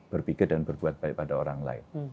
berpikir dan berbuat baik pada orang lain